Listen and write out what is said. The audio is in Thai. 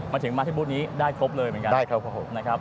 มาถึงมาที่บุ๊ธนี้ได้ครบเลยเหมือนกัน